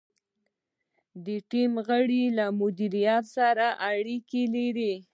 د ټیم غړي له مدیر سره اړیکې لري.